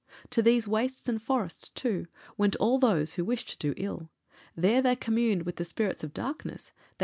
To these wastes and forests, too, went all those who wished to do ill. There they communed with the spirits of darkness, _i.